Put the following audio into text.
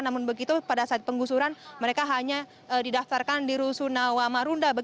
namun begitu pada saat penggusuran mereka hanya didaftarkan di rusunawa marunda